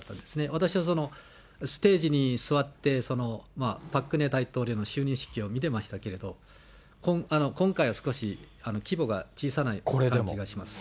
私はそのステージに座って、パク・クネ大統領の就任式を見てましたけれど、今回は少し規模が小さな感じがします。